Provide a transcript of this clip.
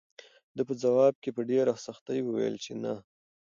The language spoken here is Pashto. ده په ځواب کې په ډېرې سختۍ وویل چې نه.